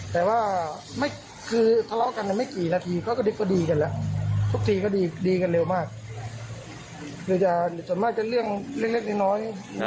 แต่ว่าคือทะเลาะกันไม่กี่นาทีเขาก็ดิบก็ดีกันแล้วทุกทีก็ดีกันเร็วมากส่วนมากจะเรื่องเล็กน้อย